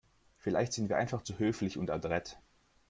Vielleicht sind wir einfach zu höflich und adrett.